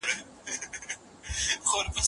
د توليداتو زياتوالی د تير کال په پرتله د پام وړ دی.